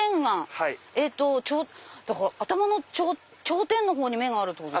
頭の頂点のほうに目があるってことですか。